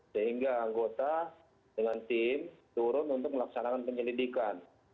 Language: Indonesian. sehingga anggota dengan tim turun untuk melaksanakan penyelidikan